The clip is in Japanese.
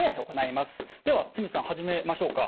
では清水さん始めましょうか。